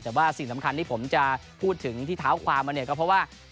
แต่ว่าสิ่งสำคัญที่ผมจะพูดถึงที่เท้าความมาเนี่ยก็เพราะว่า